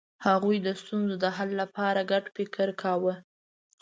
هغوی د ستونزو د حل لپاره ګډ فکر کاوه.